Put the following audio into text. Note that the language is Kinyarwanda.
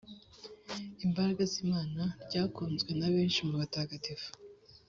imbaraga z’imana ryakunzwe na benshi mu batagatifu